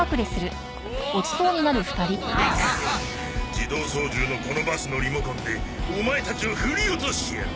自動操縦のこのバスのリモコンでオマエたちを振り落としてやる！